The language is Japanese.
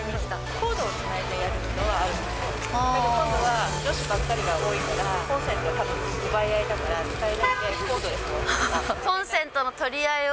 コードをつないでやるのはあるんですけど、今度は女子ばっかりが多いから、コンセントたぶん、奪い合いだから、使えないので、コードレスのを。